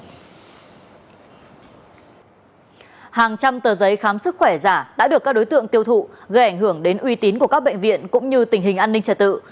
hàng trăm tờ giấy khám sức khỏe giả đã được các đối tượng tiêu thụ gây ảnh hưởng đến uy tín của các bệnh viện cũng như tình hình an ninh trật tự